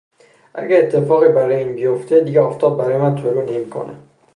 اگه اتفاقی برای این بیفته دیگه آفتاب برای من طلوع نمیکنه